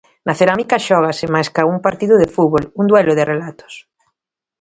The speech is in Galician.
Na Cerámica xógase, máis ca un partido de fútbol, un duelo de relatos.